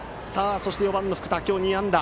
そして４番の福田、今日２安打。